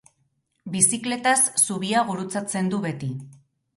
Bizikletaz zubia gurutzatzen du beti.